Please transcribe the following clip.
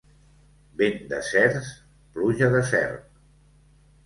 Vent de cerç, pluja de cert.